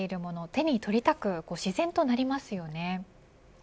手に取りたく自然となりますよね。